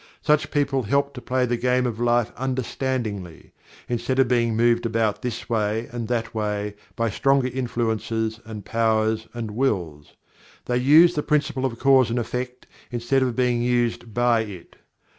Such people help to play the game of life understandingly, instead of being moved about this way and that way by stronger influences and powers and wills. They use the Principle of Cause and Effect, instead of being used by it.